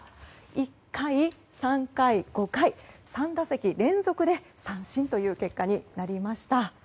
１回、３回、５回３打席連続で三振という結果になりました。